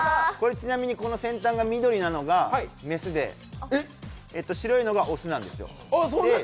ちなみに、これ先端が緑なのが雌で白いのが雄なんですよ。